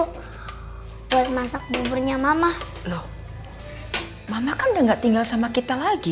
dulu malah masuk berz getty ya mama loh mama kan jangak tinggal sama kita sama kita lagi